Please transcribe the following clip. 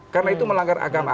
karena itu melanggar agama